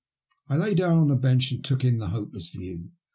I sat down on a bench and took in the hopeless view.